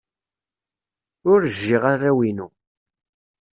Ur jjiɣ arraw-inu.